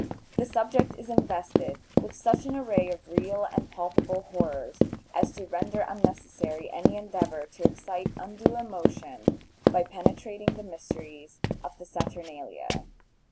The subject is invested with such an array of real and palpable horrors as to render unnecessary any endeavor to excite undue emotion by penetrating the mysteries of the saturnalia.